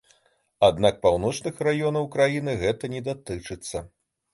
Аднак паўночных раёнаў краіны гэта не датычыцца.